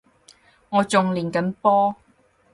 我仲練緊波